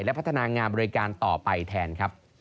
และพัฒนางานบริการต่อไปแทนครับ